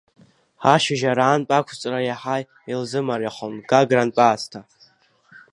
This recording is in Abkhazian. Ашьыжь араантәы ақәҵра иаҳа илзымариахон Гагрантә аасҭа.